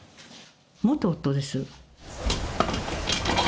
元夫です。